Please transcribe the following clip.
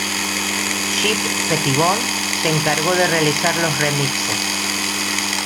Shep Pettibone se encargó de realizar los remixes.